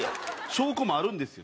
証拠もあるんですよ